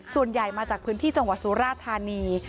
ส่วนใหญ่มาจากพื้นที่จังหวัดสุราธานี